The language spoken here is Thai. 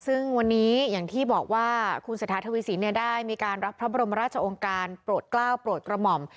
ซึ่งวันนี้อย่างที่บอกว่าคุณเศรษฐาทวีสินได้มีการรับพระบรมราชองค์การโปรดกล้าวโปรดกระหม่อม